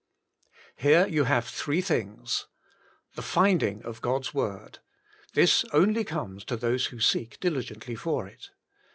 Here you have three things. The Finding of God's word. This only comes to those who seek diligently for it.